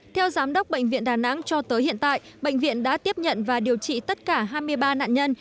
theo giám đốc bệnh viện đà nẵng cho tới hiện tại bệnh viện đã tiếp nhận và điều trị tất cả hai mươi ba nạn nhân